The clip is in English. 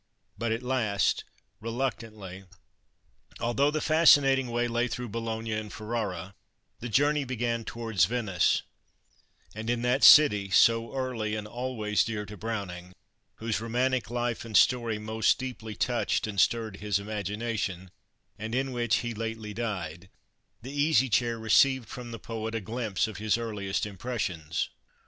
But at last, reluctantly, although the fascinating way lay through Bologna and Ferrara, the journey began towards Venice; and in that city, so early and always dear to Browning, whose romantic life and story most deeply touched and stirred his imagination, and in which he lately died, the Easy Chair received from the poet a glimpse of his earliest impressions.